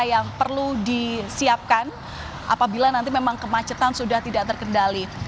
yang perlu disiapkan apabila nanti memang kemacetan sudah tidak terkendali